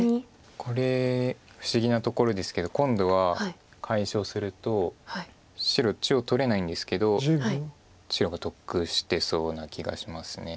これ不思議なところですけど今度は解消すると白中央取れないんですけど白が得してそうな気がします。